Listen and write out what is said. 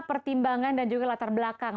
pertimbangan dan juga latar belakang